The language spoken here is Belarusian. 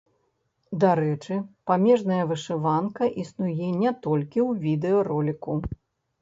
Дарэчы, памежная вышыванка існуе не толькі ў відэароліку.